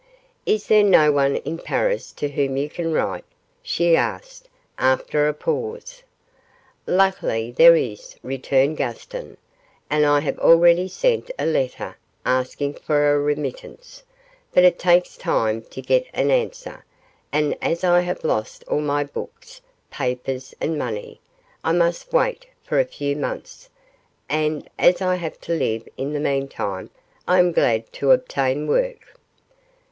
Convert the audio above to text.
'Is there no one in Paris to whom you can write?' she asked, after a pause. 'Luckily, there is,' returned Gaston, 'and I have already sent a letter, asking for a remittance, but it takes time to get an answer, and as I have lost all my books, papers, and money, I must just wait for a few months, and, as I have to live in the meantime, I am glad to obtain work.